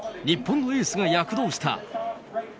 日本のエースが躍動した。